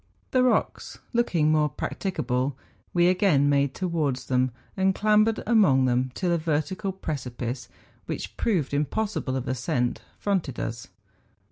The rocks looking more prac¬ ticable, we again made towards them, and clambered among them till a vertical precipice, which proved impossible of ascent, fronted us.